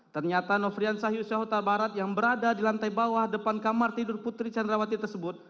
ternyata nofriansah yusyahuta barat yang berada di lantai bawah depan kamar tidur putri candrawati tersebut